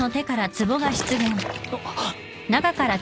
あっ！